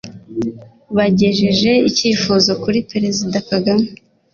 bagejeje icyifuzo kuri Perezida Kagame